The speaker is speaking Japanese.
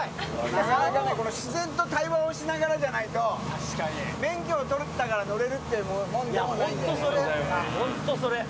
なかなかね、この、自然と対話しながらじゃないと、免許を取ったから乗れるってもん本当、それ。